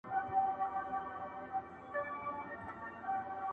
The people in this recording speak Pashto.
ځکه دغسي هوښیار دی او قابِل دی،